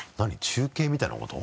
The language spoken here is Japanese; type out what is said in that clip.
中継みたいなこと？